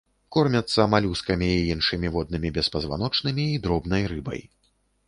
Кормяцца малюскамі і іншымі воднымі беспазваночнымі і дробнай рыбай.